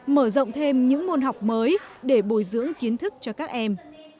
mở rộng thêm những môn học mới để bồi dưỡng kiến thức cho các em